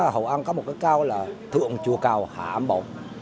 hội an có một cái cao là thượng chùa cầu hạ ảm bộ